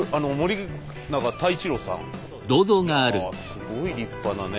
すごい立派なね。